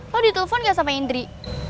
lo ditelfon nggak sama indri